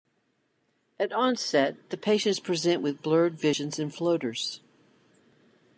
At onset the patients present with blurred vision and floaters.